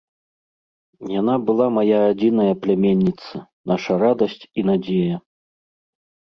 Яна была мая адзіная пляменніца, наша радасць і надзея.